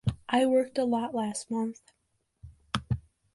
I worked a lot last month.